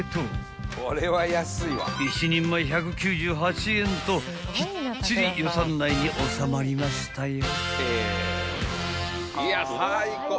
［１人前１９８円ときっちり予算内に収まりましたよ］